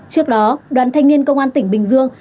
trước đó đoàn thanh niên công an tỉnh bình dương